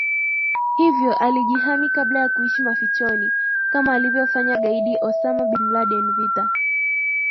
hivyo alijihami kabla kwa kuishi mafichoni kama alivyofanya gaidi Osama bin Laden Vita